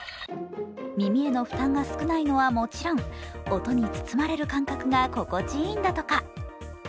耳への負担が少ないのはもちろん音に包まれる感覚が心地いいんだとか。